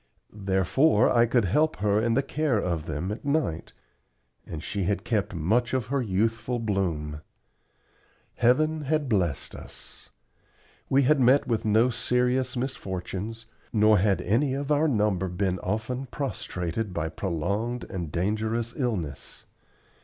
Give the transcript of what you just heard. Therefore I could help her in the care of them at night, and she had kept much of her youthful bloom. Heaven had blessed us. We had met with no serious misfortunes, nor had any of our number been often prostrated by prolonged and dangerous illness.